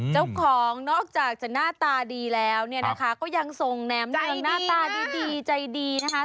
เจ้าของนอกจากจะหน้าตาดีแล้วเนี่ยนะคะก็ยังทรงแนมในหน้าตาดีใจดีนะคะ